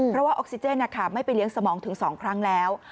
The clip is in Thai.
เพราะว่าออกซิเจนไม่ไปเลี้ยงสมองถึง๒ครั้งแล้ว